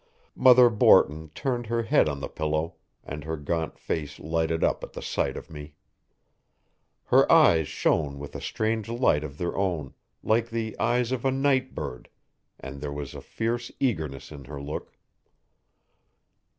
Mother Borton turned her head on the pillow, and her gaunt face lighted up at the sight of me. Her eyes shone with a strange light of their own, like the eyes of a night bird, and there was a fierce eagerness in her look.